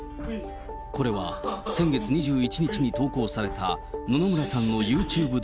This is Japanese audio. これは先月２１日に投稿された、野々村さんのユーチューブ動